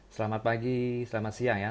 selamat pagi selamat siang ya